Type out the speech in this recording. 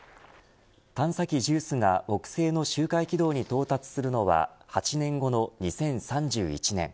探査機ＪＵＩＣＥが、木星の周回軌道に到達するのは８年後の２０３１年。